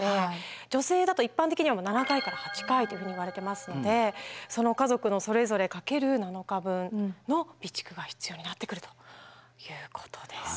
女性だと一般的には７回から８回というふうにいわれていますのでその家族のそれぞれかける７日分の備蓄が必要になってくるということです。